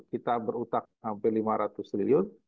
kita berutak sampai rp lima ratus triliun